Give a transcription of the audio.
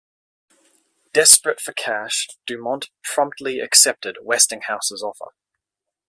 Desperate for cash, DuMont promptly accepted Westinghouse's offer.